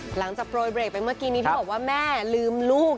หลังจากโปรเด์เบรกไปเมื่อกี้ที่บอกว่าแม่ลืมลูก